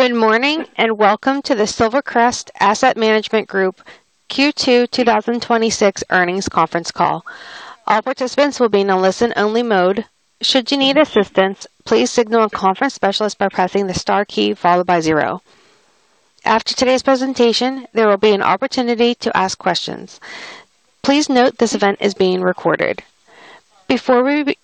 Good morning. Welcome to the Silvercrest Asset Management Group Q2 2026 earnings conference call. All participants will be in a listen-only mode. Should you need assistance, please signal a conference specialist by pressing the star key followed by zero. After today's presentation, there will be an opportunity to ask questions. Please note this event is being recorded. Before we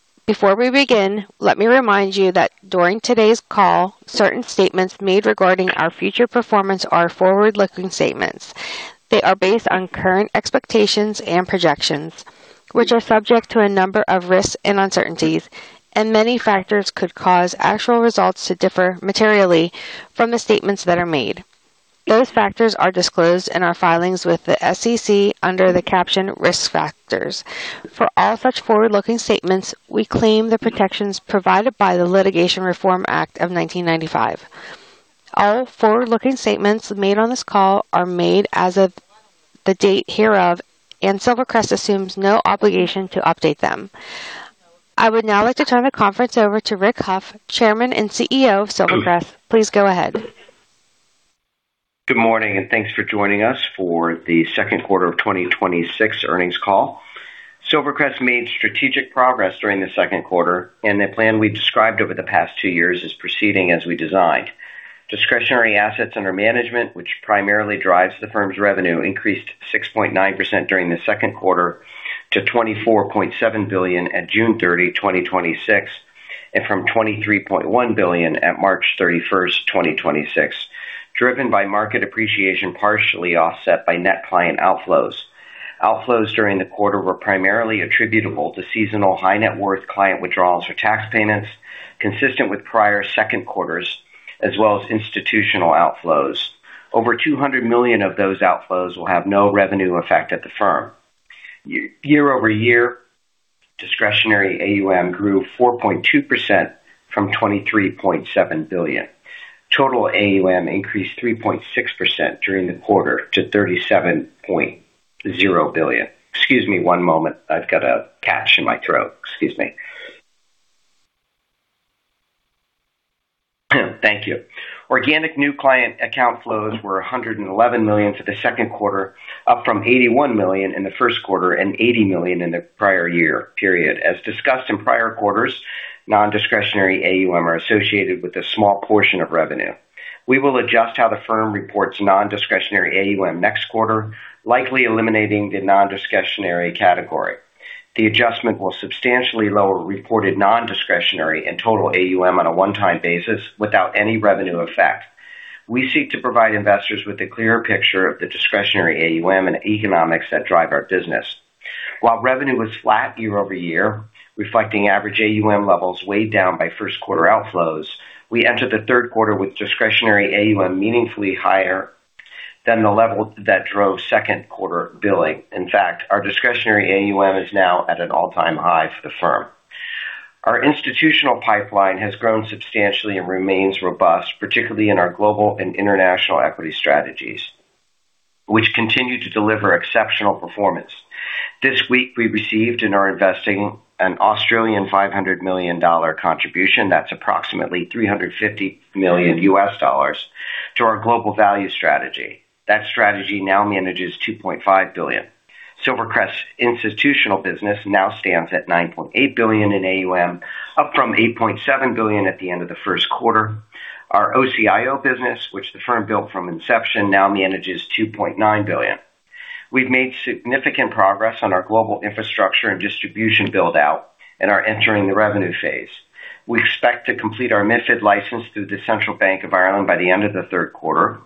begin, let me remind you that during today's call, certain statements made regarding our future performance are forward-looking statements. They are based on current expectations and projections, which are subject to a number of risks and uncertainties, and many factors could cause actual results to differ materially from the statements that are made. Those factors are disclosed in our filings with the SEC under the caption Risk Factors. For all such forward-looking statements, we claim the protections provided by the Litigation Reform Act of 1995. All forward-looking statements made on this call are made as of the date hereof, and Silvercrest assumes no obligation to update them. I would now like to turn the conference over to Rick Hough, Chairman and CEO of Silvercrest. Please go ahead. Good morning. Thanks for joining us for the second quarter of 2026 earnings call. Silvercrest made strategic progress during the second quarter, and the plan we've described over the past two years is proceeding as we designed. Discretionary assets under management, which primarily drives the firm's revenue, increased 6.9% during the second quarter to $24.7 billion at June 30, 2026, and from $23.1 billion at March 31st, 2026, driven by market appreciation, partially offset by net client outflows. Outflows during the quarter were primarily attributable to seasonal high net worth client withdrawals for tax payments, consistent with prior second quarters, as well as institutional outflows. Over $200 million of those outflows will have no revenue effect at the firm. Year-over-year, discretionary AUM grew 4.2% from $23.7 billion. Total AUM increased 3.6% during the quarter to $37.0 billion. Excuse me one moment. I've got a catch in my throat. Excuse me. Thank you. Organic new client account flows were $111 million for the second quarter, up from $81 million in the first quarter and $80 million in the prior year period. As discussed in prior quarters, non-discretionary AUM are associated with a small portion of revenue. We will adjust how the firm reports non-discretionary AUM next quarter, likely eliminating the non-discretionary category. The adjustment will substantially lower reported non-discretionary and total AUM on a one-time basis without any revenue effect. We seek to provide investors with a clearer picture of the discretionary AUM and economics that drive our business. While revenue was flat year-over-year, reflecting average AUM levels weighed down by first quarter outflows, we entered the third quarter with discretionary AUM meaningfully higher than the level that drove second quarter billing. In fact, our discretionary AUM is now at an all-time high for the firm. Our institutional pipeline has grown substantially and remains robust, particularly in our global and international equity strategies, which continue to deliver exceptional performance. This week, we received and are investing an 500 million Australian dollars contribution, that's approximately $350 million, to our Global Value strategy. That strategy now manages $2.5 billion. Silvercrest institutional business now stands at $9.8 billion in AUM, up from $8.7 billion at the end of the first quarter. Our OCIO business, which the firm built from inception, now manages $2.9 billion. We've made significant progress on our global infrastructure and distribution build-out and are entering the revenue phase. We expect to complete our MiFID license through the Central Bank of Ireland by the end of the third quarter.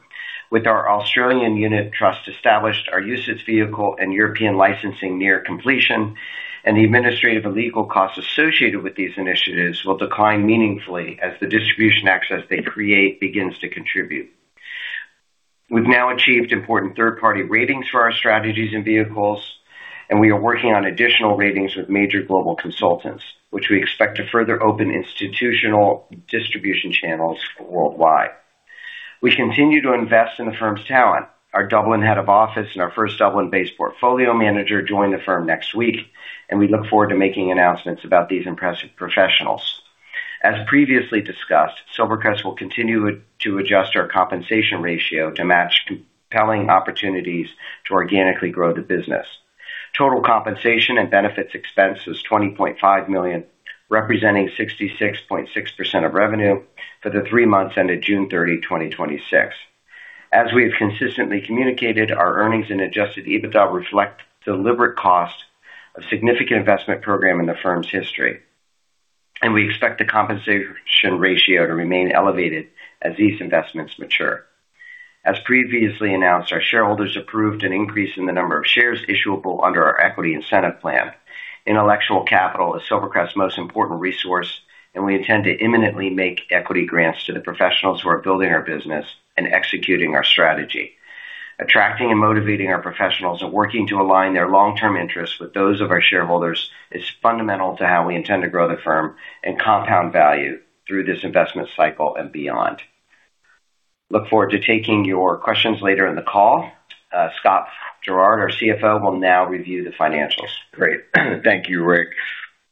With our Australian unit trust established, our UCITS vehicle and European licensing near completion, the administrative and legal costs associated with these initiatives will decline meaningfully as the distribution access they create begins to contribute. We've now achieved important third-party ratings for our strategies and vehicles, and we are working on additional ratings with major global consultants, which we expect to further open institutional distribution channels worldwide. We continue to invest in the firm's talent. Our Dublin head of office and our first Dublin-based portfolio manager join the firm next week, and we look forward to making announcements about these impressive professionals. As previously discussed, Silvercrest will continue to adjust our compensation ratio to match compelling opportunities to organically grow the business. Total compensation and benefits expense was $20.5 million, representing 66.6% of revenue for the three months ended June 30, 2026. As we have consistently communicated, our earnings and adjusted EBITDA reflect deliberate cost of significant investment program in the firm's history, and we expect the compensation ratio to remain elevated as these investments mature. As previously announced, our shareholders approved an increase in the number of shares issuable under our equity incentive plan. Intellectual capital is Silvercrest's most important resource, and we intend to imminently make equity grants to the professionals who are building our business and executing our strategy. Attracting and motivating our professionals and working to align their long-term interests with those of our shareholders is fundamental to how we intend to grow the firm and compound value through this investment cycle and beyond. Look forward to taking your questions later in the call. Scott Gerard, our CFO, will now review the financials. Great. Thank you, Rick.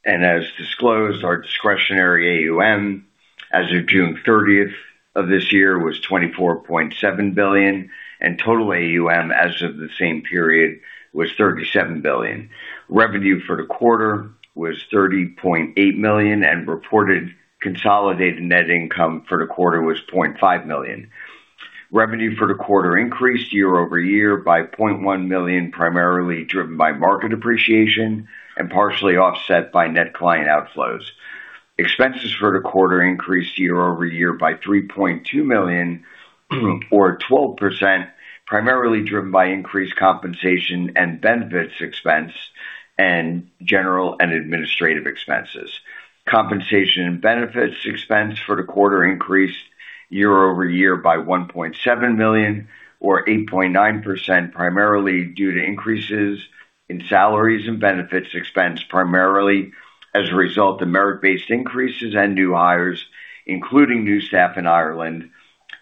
As disclosed, our discretionary AUM as of June 30th of this year was $24.7 billion, and total AUM as of the same period was $37 billion. Revenue for the quarter was $30.8 million, and reported consolidated net income for the quarter was $0.5 million. Revenue for the quarter increased year-over-year by $0.1 million, primarily driven by market appreciation and partially offset by net client outflows. Expenses for the quarter increased year-over-year by $3.2 million or 12%, primarily driven by increased compensation and benefits expense and general and administrative expenses. Compensation and benefits expense for the quarter increased year-over-year by $1.7 million or 8.9%, primarily due to increases in salaries and benefits expense, primarily as a result of merit-based increases and new hires, including new staff in Ireland,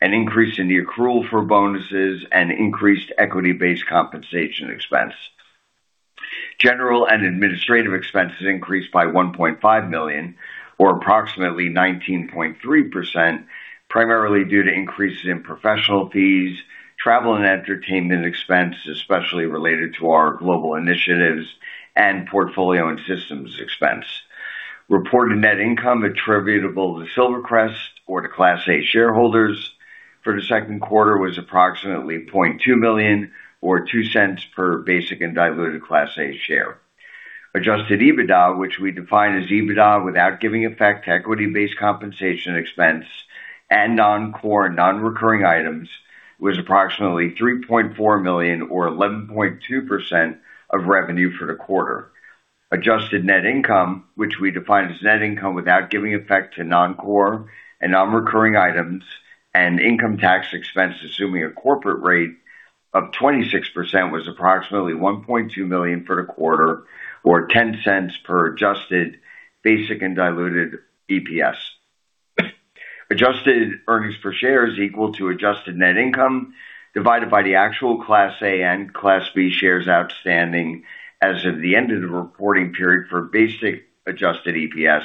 an increase in the accrual for bonuses, and increased equity-based compensation expense. General and administrative expenses increased by $1.5 million or approximately 19.3%, primarily due to increases in professional fees, travel and entertainment expense, especially related to our global initiatives, and portfolio and systems expense. Reported net income attributable to Silvercrest or to Class A shareholders for the second quarter was approximately $0.2 million or $0.02 per basic and diluted Class A share. Adjusted EBITDA, which we define as EBITDA without giving effect to equity-based compensation expense and non-core, non-recurring items, was approximately $3.4 million or 11.2% of revenue for the quarter. Adjusted net income, which we define as net income without giving effect to non-core and non-recurring items and income tax expense, assuming a corporate rate of 26%, was approximately $1.2 million for the quarter or $0.10 per adjusted basic and diluted EPS. Adjusted earnings per share is equal to adjusted net income divided by the actual Class A and Class B shares outstanding as of the end of the reporting period for basic adjusted EPS.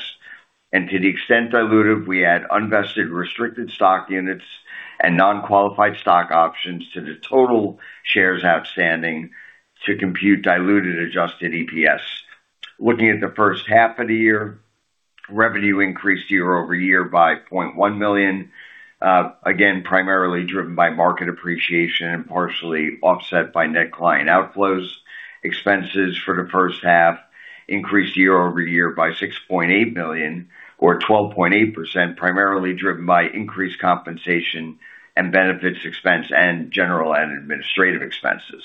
To the extent dilutive, we add unvested restricted stock units and non-qualified stock options to the total shares outstanding to compute diluted adjusted EPS. Looking at the first half of the year, revenue increased year-over-year by $0.1 million, again, primarily driven by market appreciation and partially offset by net client outflows. Expenses for the first half increased year-over-year by $6.8 million or 12.8%, primarily driven by increased compensation and benefits expense and general and administrative expenses.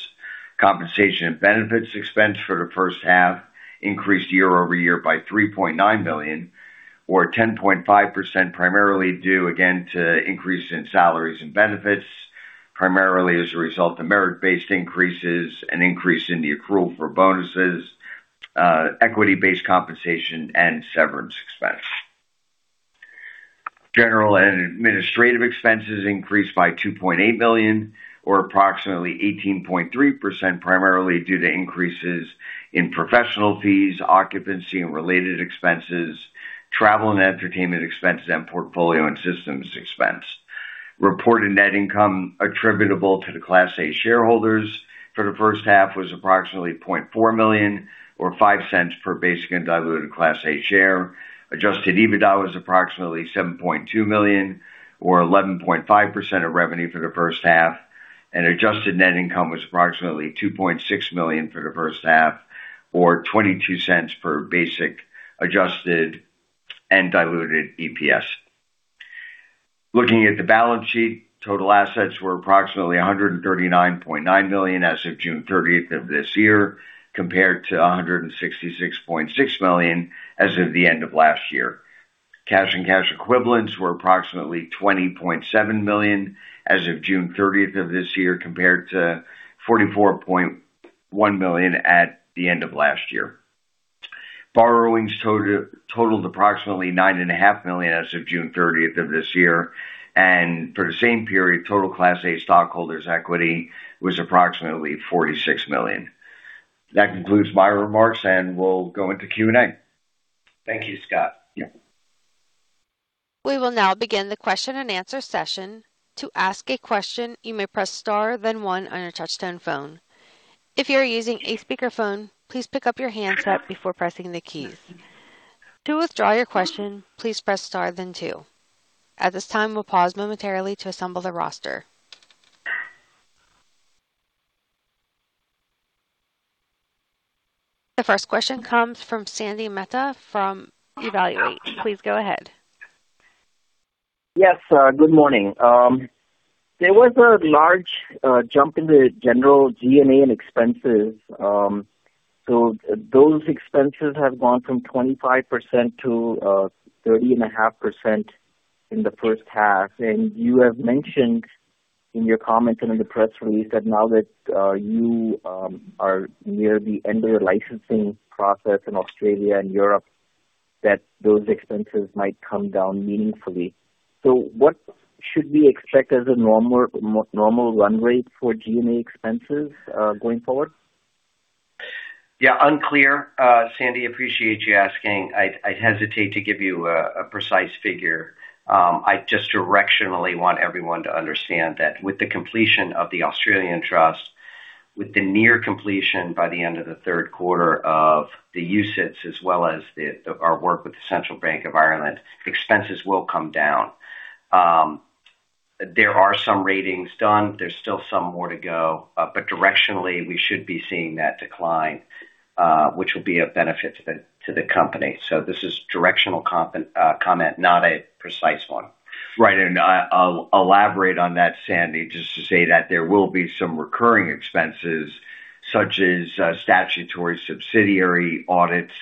Compensation and benefits expense for the first half increased year-over-year by $3.9 million or 10.5%, primarily due again to increase in salaries and benefits, primarily as a result of merit-based increases and increase in the accrual for bonuses, equity-based compensation and severance expense. General and administrative expenses increased by $2.8 million or approximately 18.3%, primarily due to increases in professional fees, occupancy and related expenses, travel and entertainment expenses, and portfolio and systems expense. Reported net income attributable to the Class A shareholders for the first half was approximately $0.4 million or $0.05 per basic and diluted Class A share. Adjusted EBITDA was approximately $7.2 million or 11.5% of revenue for the first half, and adjusted net income was approximately $2.6 million for the first half or $0.22 per basic, adjusted and diluted EPS. Looking at the balance sheet, total assets were approximately $139.9 million as of June 30th of this year, compared to $166.6 million as of the end of last year. Cash and cash equivalents were approximately $20.7 million as of June 30th of this year, compared to $44.1 million at the end of last year. Borrowings totaled approximately $9.5 million as of June 30th of this year. For the same period, total Class A stockholders' equity was approximately $46 million. That concludes my remarks, and we'll go into Q&A. Thank you, Scott. Yeah. We will now begin the question and answer session. To ask a question, you may press star then one on your touch-tone phone. If you are using a speakerphone, please pick up your handset before pressing the keys. To withdraw your question, please press star then two. At this time, we'll pause momentarily to assemble the roster. The first question comes from Sandy Mehta from Evaluate. Please go ahead. Yes. Good morning. There was a large jump in the general G&A and expenses. Those expenses have gone from 25%-30.5% in the first half. You have mentioned in your comments and in the press release that now that you are near the end of your licensing process in Australia and Europe those expenses might come down meaningfully. What should we expect as a normal run rate for G&A expenses going forward? Unclear. Sandy, appreciate you asking. I hesitate to give you a precise figure. I just directionally want everyone to understand that with the completion of the Australian trust, with the near completion by the end of the third quarter of the UCITS, as well as our work with the Central Bank of Ireland, expenses will come down. There are some ratings done. There's still some more to go. Directionally, we should be seeing that decline, which will be of benefit to the company. This is directional comment, not a precise one. Right. I'll elaborate on that, Sandy, just to say that there will be some recurring expenses, such as statutory subsidiary audits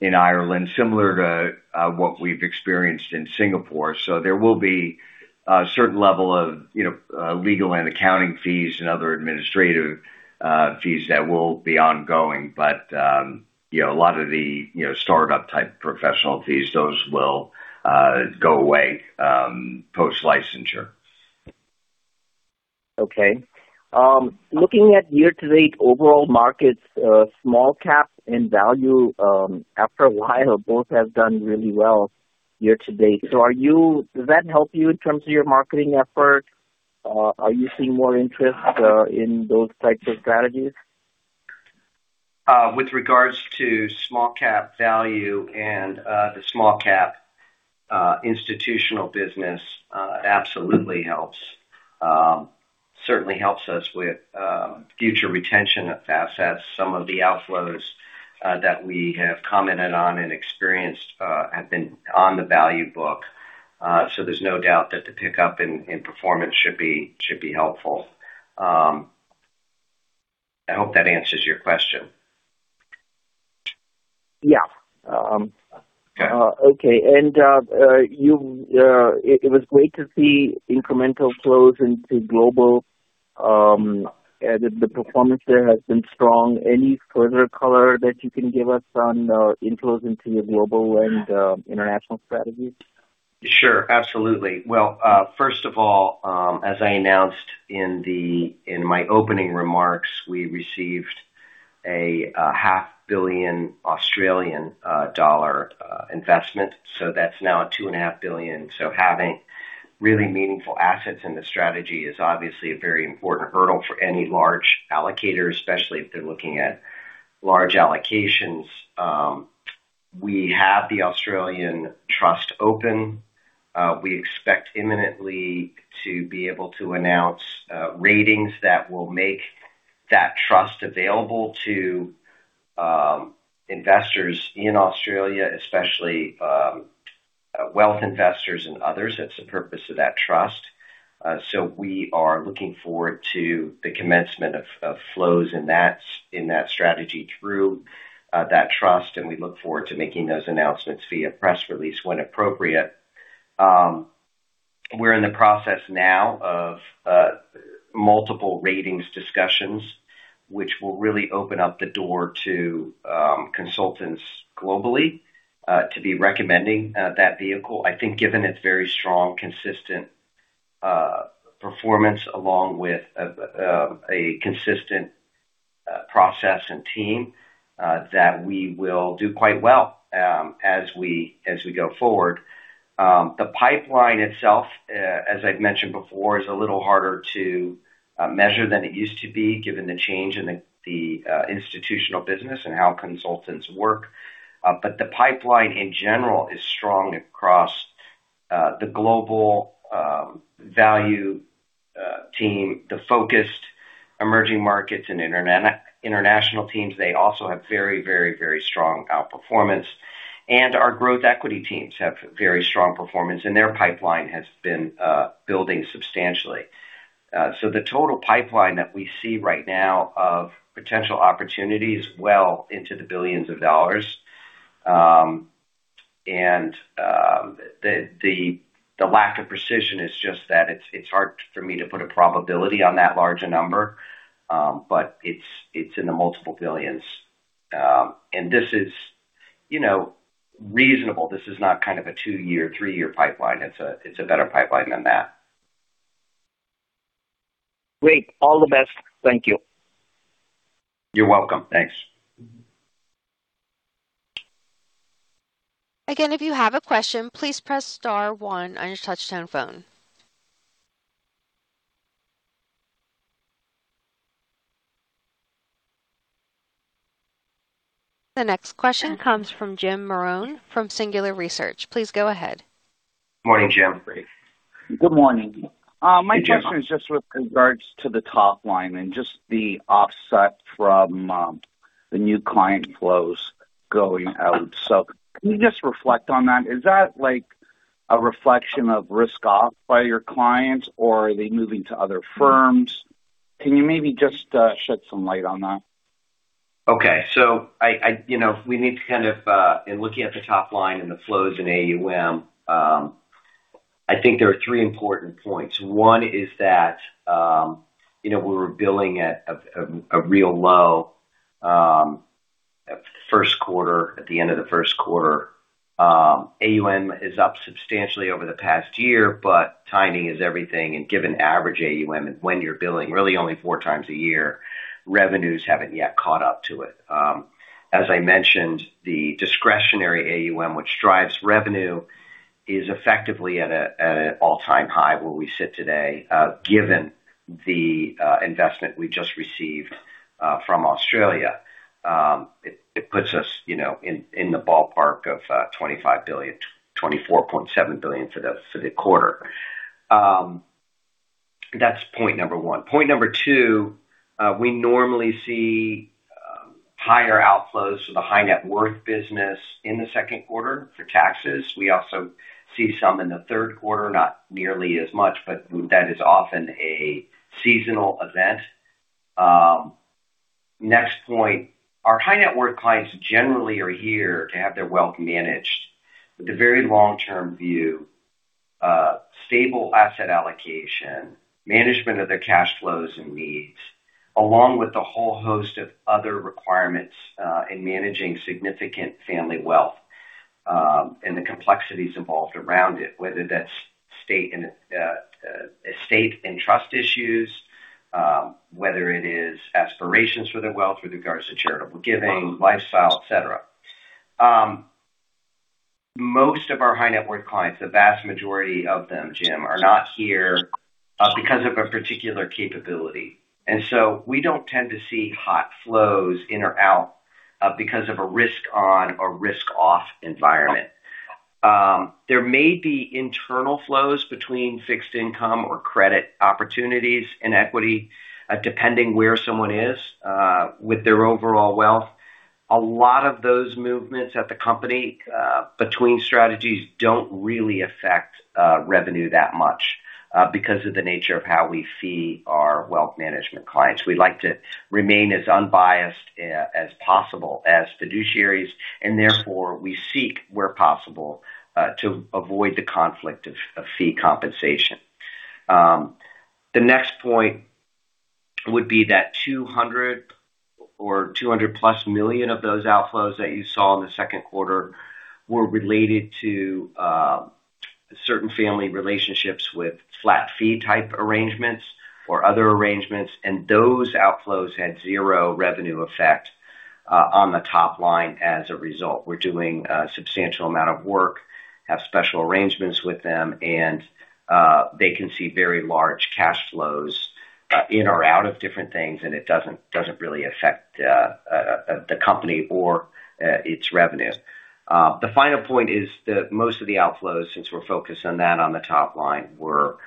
in Ireland, similar to what we've experienced in Singapore. There will be a certain level of legal and accounting fees and other administrative fees that will be ongoing. A lot of the startup-type professional fees, those will go away post-licensure. Okay. Looking at year-to-date overall markets, small cap and value after a while, both have done really well year-to-date. Does that help you in terms of your marketing effort? Are you seeing more interest in those types of strategies? With regards to small cap value and the small cap institutional business, absolutely helps. Certainly helps us with future retention of assets. Some of the outflows that we have commented on and experienced have been on the value book. There's no doubt that the pickup in performance should be helpful. I hope that answers your question. Yeah. Okay. Okay. It was great to see incremental flows into Global. The performance there has been strong. Any further color that you can give us on inflows into your Global and international strategies? Sure. Absolutely. Well, first of all, as I announced in my opening remarks, we received a 0.5 billion Australian dollar Investment, so that's now 2.5 billion. Having really meaningful assets in the strategy is obviously a very important hurdle for any large allocator, especially if they're looking at large allocations. We have the Australian trust open. We expect imminently to be able to announce ratings that will make that trust available to investors in Australia, especially wealth investors and others. That's the purpose of that trust. We are looking forward to the commencement of flows in that strategy through that trust, and we look forward to making those announcements via press release when appropriate. We're in the process now of multiple ratings discussions, which will really open up the door to consultants globally to be recommending that vehicle. I think given its very strong, consistent performance, along with a consistent process and team, that we will do quite well as we go forward. The pipeline itself, as I've mentioned before, is a little harder to measure than it used to be, given the change in the institutional business and how consultants work. The pipeline in general is strong across the Global Value team, the focused emerging markets, and international teams. They also have very strong outperformance. Our growth equity teams have very strong performance, and their pipeline has been building substantially. The total pipeline that we see right now of potential opportunity is well into the billions of dollars. The lack of precision is just that it's hard for me to put a probability on that large a number. It's in the multiple billions. This is, you know, reasonable. This is not kind of a two-year, three-year pipeline. It's a better pipeline than that. Great. All the best. Thank you. You're welcome. Thanks. Again, if you have a question, please press star one on your touch-tone phone. The next question comes from Jim Marrone from Singular Research. Please go ahead. Morning, Jim. Good morning. My question is just with regards to the top line and just the offset from the new client flows going out. Can you just reflect on that? Is that like a reflection of risk off by your clients, or are they moving to other firms? Can you maybe just shed some light on that? Okay. We need to kind of, in looking at the top line and the flows in AUM. I think there are three important points. One is that we were billing at a real low first quarter, at the end of the first quarter. AUM is up substantially over the past year, but timing is everything, and given average AUM and when you're billing, really only four times a year, revenues haven't yet caught up to it. As I mentioned, the discretionary AUM which drives revenue is effectively at an all-time high where we sit today, given the investment we just received from Australia. It puts us in the ballpark of $25 billion, $24.7 billion for the quarter. That's point number one. Point number two, we normally see higher outflows for the high net worth business in the second quarter for taxes. We also see some in the third quarter, not nearly as much, but that is often a seasonal event. Next point, our high net worth clients generally are here to have their wealth managed with a very long-term view. Stable asset allocation, management of their cash flows and needs, along with a whole host of other requirements in managing significant family wealth, and the complexities involved around it, whether that's estate and trust issues, whether it is aspirations for their wealth with regards to charitable giving, lifestyle, et cetera. Most of our high net worth clients, the vast majority of them, Jim, are not here because of a particular capability. We don't tend to see hot flows in or out because of a risk-on or risk-off environment. There may be internal flows between fixed income or credit opportunities and equity, depending where someone is with their overall wealth. A lot of those movements at the company between strategies don't really affect revenue that much because of the nature of how we fee our wealth management clients. We like to remain as unbiased as possible as fiduciaries. Therefore, we seek where possible to avoid the conflict of fee compensation. The next point would be that $200 million or $200 million+ of those outflows that you saw in the second quarter were related to certain family relationships with flat fee type arrangements or other arrangements. Those outflows had zero revenue effect on the top line as a result. We're doing a substantial amount of work, have special arrangements with them. They can see very large cash flows in or out of different things, and it doesn't really affect the company or its revenues. The final point is that most of the outflows, since we're focused on that on the top line, were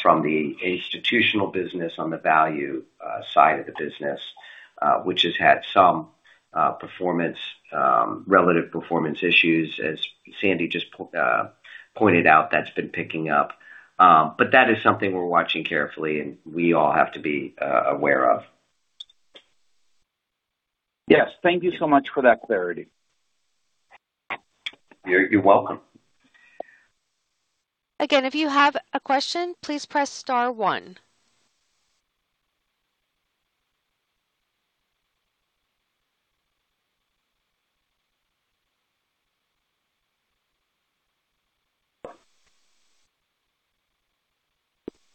from the institutional business on the value side of the business, which has had some relative performance issues. As Sandy just pointed out, that's been picking up. That is something we're watching carefully, and we all have to be aware of. Yes. Thank you so much for that clarity. You're welcome. Again, if you have a question, please press star one.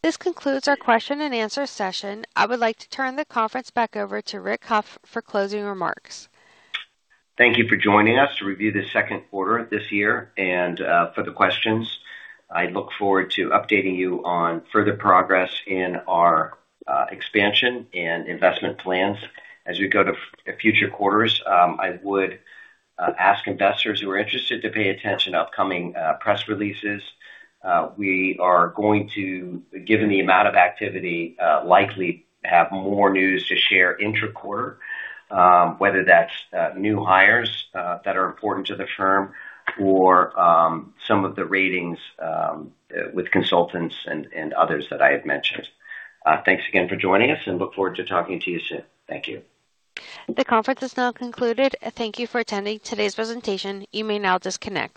This concludes our question and answer session. I would like to turn the conference back over to Rick Hough for closing remarks. Thank you for joining us to review the second quarter this year and for the questions. I look forward to updating you on further progress in our expansion and investment plans as we go to future quarters. I would ask investors who are interested to pay attention to upcoming press releases. We are going to, given the amount of activity, likely have more news to share intra-quarter, whether that's new hires that are important to the firm or some of the ratings with consultants and others that I have mentioned. Thanks again for joining us and look forward to talking to you soon. Thank you. The conference is now concluded. Thank you for attending today's presentation. You may now disconnect.